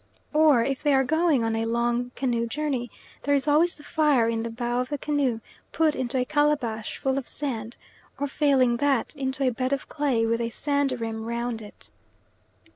Or if they are going on a long canoe journey, there is always the fire in the bow of the canoe put into a calabash full of sand, or failing that, into a bed of clay with a sand rim round it.